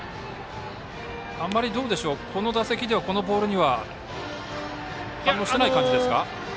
あまりこの打席ではこのボールには手が出せない感じですか。